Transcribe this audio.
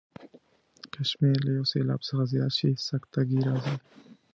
که شمېر له یو سېلاب څخه زیات شي سکته ګي راځي.